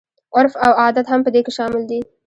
عرف او عادت هم په دې کې شامل دي.